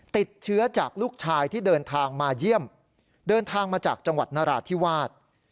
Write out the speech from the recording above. ติดเชื้อจากลูกชายที่เดินทางมาเยี่ยมเดินทางมาจากจังหวัดนราธิวาส